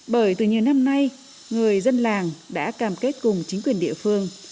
bởi từ nhiều năm nay người dân làng đã cam kết cùng chính quyền địa phương